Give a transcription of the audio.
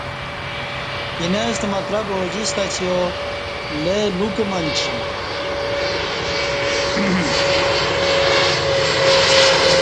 اینہ ستہ مطلب اوجیستہ اسِیا لئ لُوکہ منچی